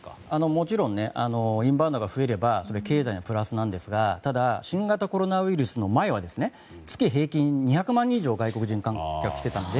もちろんインバウンドが増えれば経済にプラスなんですがただ新型コロナウイルスの前は月平均２００万人以上外国人観光客が来てたので。